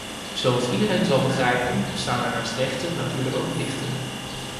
Zoals iedereen zal begrijpen, bestaan er naast rechten natuurlijk ook plichten..